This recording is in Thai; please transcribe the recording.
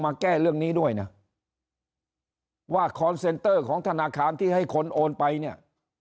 แก้เรื่องนี้ด้วยนะว่าคอนเซนเตอร์ของธนาคารที่ให้คนโอนไปเนี่ย